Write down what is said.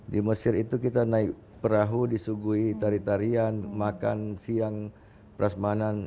di mesir itu kita naik perahu disugui tari tarian makan siang peras manan